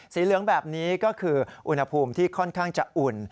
สีเหลืองแบบนี้ก็คืออุณหภูมิที่ค่อนข้างจะอุ่น